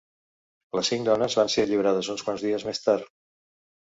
Les cinc dones van ser alliberades uns quants dies més tard.